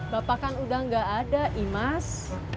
bapak kan udah gak ada imas